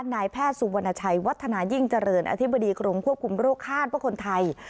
นายแพทย์สุวรรณชัยวัฒนายิ่งเจริญอธิบดีกรมควบคุมโรคคาดว่าคนไทย